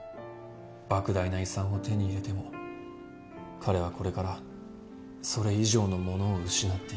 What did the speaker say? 莫大な遺産を手に入れても彼はこれからそれ以上のものを失っていく。